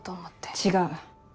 違う。